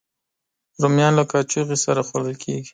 رومیان له کاچوغې سره خوړل کېږي